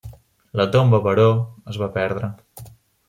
La tomba, però, es va perdre.